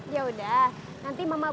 ya udah nanti mama beliin ya